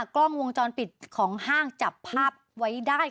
กล้องวงจรปิดของห้างจับภาพไว้ได้